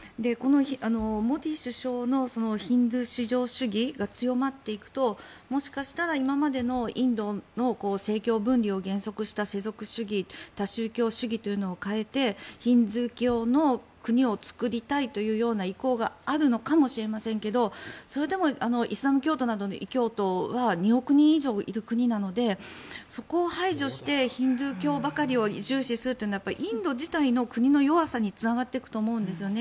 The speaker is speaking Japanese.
モディ首相のヒンドゥー至上主義が強まっていくともしかしたら今までのインドの政教分離を原則とした世俗主義多宗教主義というのを変えてヒンドゥー教の国を作りたいというような意向があるのかもしれませんけどそれでもイスラム教徒は異教徒は２億人以上いる国なのでそこを排除してヒンドゥー教ばかりを重視するというのはインド自体の国の弱さにつながっていくと思うんですよね。